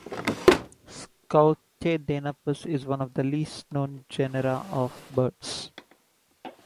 "Schoutedenapus" is one of the least-known genera of birds.